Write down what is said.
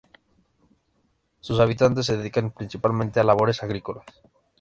Sus habitantes se dedican principalmente a labores agrícolas.